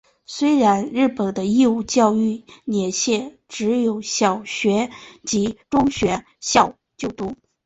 虽然日本的义务教育年限只有小学及中学校就读。